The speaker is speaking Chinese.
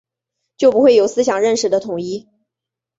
就不会有思想认识的统一